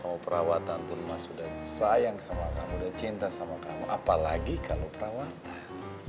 mau perawatan pun mas udah sayang sama kamu udah cinta sama kamu apalagi kalau perawatan